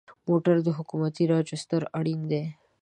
موټر د حکومتي راجسټر اړین دی.